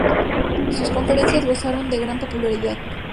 Sus conferencias gozaron de gran popularidad.